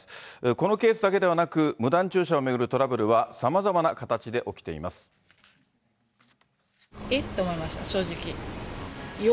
このケースだけではなく、無断駐車を巡るトラブルはさまざまな形え？と思いました、正直。